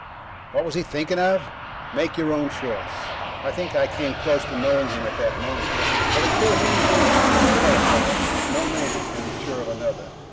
_" What was he thinking of? Make your own choice. I think I came close to knowing him, at that moment, but until human beings turn telepath, no man can be sure of another.